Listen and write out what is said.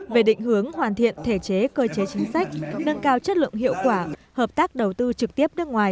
về định hướng hoàn thiện thể chế cơ chế chính sách nâng cao chất lượng hiệu quả hợp tác đầu tư trực tiếp nước ngoài